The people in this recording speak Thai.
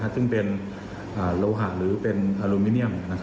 ซึ่งเป็นโลหะหรือเป็นอลูมิเนียม